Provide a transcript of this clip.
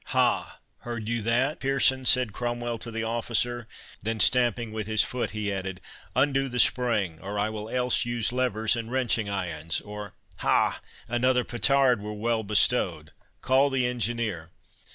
"Ha! heard you that, Pearson?" said Cromwell to the officer; then, stamping with his foot, he added, "Undo the spring, or I will else use levers and wrenching irons—Or, ha! another petard were well bestowed— Call the engineer."